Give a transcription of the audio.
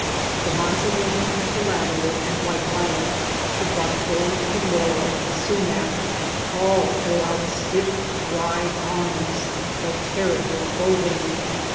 The manzanita, the lavender, and white lilac, the buckthorn, the laurel, the su mac, all throw out stiff dry arms that tear at your clothing.